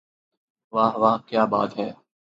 واہ واہ کیا بات ہے